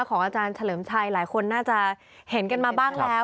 ของอาจารย์เฉลิมชัยหลายคนน่าจะเห็นกันมาบ้างแล้ว